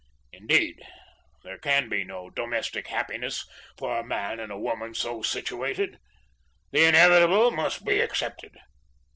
Indeed, there can be no domestic happiness for a man and woman so situated. The inevitable must be accepted.